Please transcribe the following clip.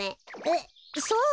えっそう？